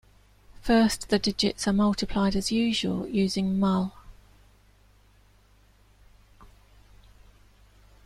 First the digits are multiplied as usual using mul.